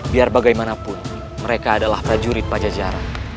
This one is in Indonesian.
biar bagaimanapun mereka adalah prajurit pajajaran